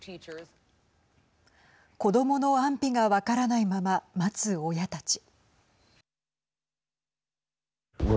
子どもの安否が分からないまま待つ親たち。